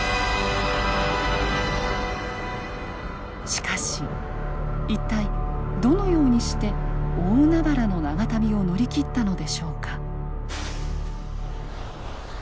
しかし一体どのようにして大海原の長旅を乗り切ったのでしょうか。